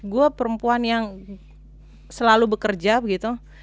gue perempuan yang selalu bekerja begitu